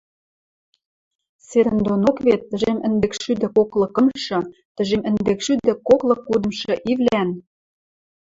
Седӹндонок вет тӹжем ӹндекшшӱдӹ коклы кымшы - тӹжем ӹндекшшӱдӹ коклы кудымшы ивлӓн